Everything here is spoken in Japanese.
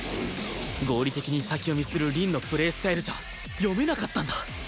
合理的に先読みする凛のプレースタイルじゃ読めなかったんだ